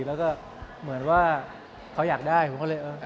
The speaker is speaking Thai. แล้วก็เหมือนว่าเขาอยากได้ผมก็เลยยกให้เขาเลยครับ